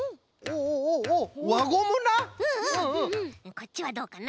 こっちはどうかな？